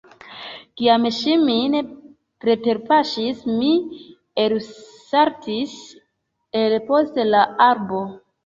Kiam ŝi min preterpaŝis mi elsaltis el post la arbo.